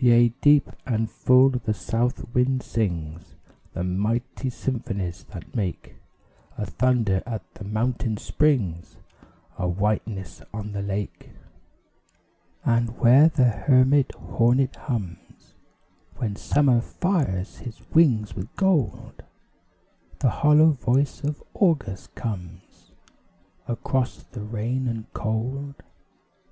Yea, deep and full the South Wind sings The mighty symphonies that make A thunder at the mountain springs A whiteness on the lake. And where the hermit hornet hums, When Summer fires his wings with gold, The hollow voice of August comes, Across the rain and cold.